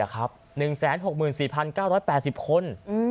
๑๖๔๙๘๐คน